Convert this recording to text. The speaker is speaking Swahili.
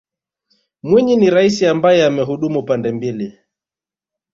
mwinyi ni raisi ambaye amehudumu pande mbili